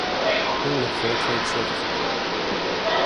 All are Fairtrade Certified.